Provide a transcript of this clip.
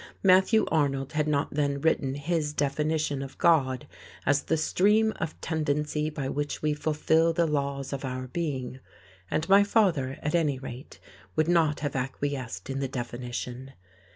Matthew Arnold had not then written his definition of God as the stream of tendency by which we fulfil the laws of our being; and my father, at any rate, would not have acquiesced in the definition.